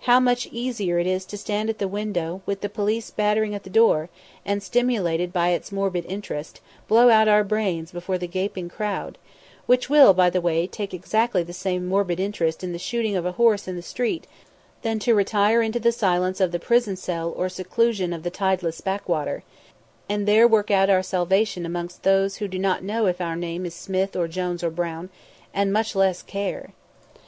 How much easier is it to stand at the window, with the police battering at the door, and, stimulated by its morbid interest, blow out our brains before the gaping crowd which will, by the way, take exactly the same morbid interest in the shooting of a horse in the street than to retire into the silence of the prison cell or seclusion of the tideless backwater, and there work out our salvation amongst those who do not know if our name is Smith or Jones or Brown and much less care!